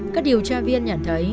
các điều tra viên nhận thấy